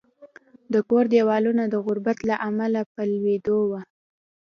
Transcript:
د کور دېوالونه د غربت له امله په لوېدو وو